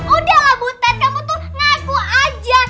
udah lah butat kamu tuh ngaku aja